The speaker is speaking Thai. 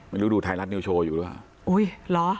ไม่รู้ดูไทยรัฐนิวโชว์อยู่หรือเปล่า